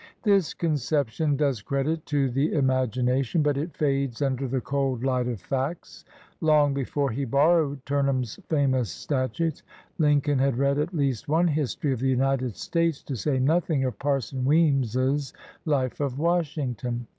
This conception does credit to the imagination, but it fades under the cold light of facts. Long before he borrowed Turnham's famous Statutes, Lincoln had read at least one history of the United States, to say nothing of Parson Weems's "Life of Washington."